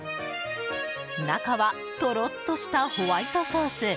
中はトロッとしたホワイトソース。